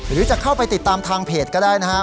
หรือจะเข้าไปติดตามทางเพจก็ได้นะครับ